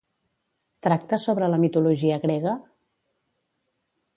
Tracta sobre la mitologia grega?